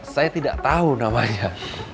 saya tidak tahu namanya